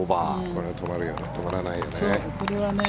これは止まらないよね。